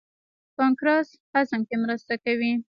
پانکریاس هضم کې مرسته کوي.